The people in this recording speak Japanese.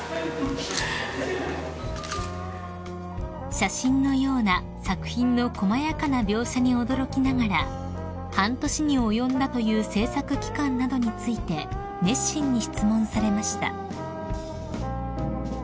［写真のような作品の細やかな描写に驚きながら半年に及んだという制作期間などについて熱心に質問されました］